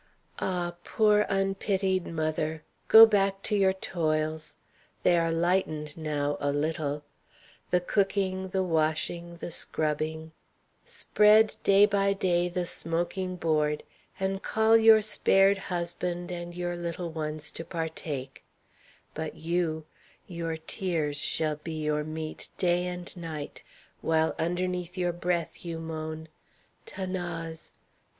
Ah, poor unpitied mother! go back to your toils; they are lightened now a little; the cooking, the washing, the scrubbing. Spread, day by day, the smoking board, and call your spared husband and your little ones to partake; but you your tears shall be your meat day and night, while underneath your breath you moan, "'Thanase!